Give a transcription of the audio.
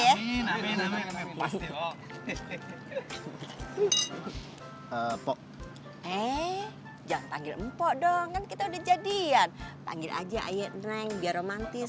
eh eh jangan panggil empok dong kita udah jadian panggil aja ayah neng biar romantis